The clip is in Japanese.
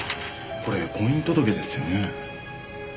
これ婚姻届ですよね？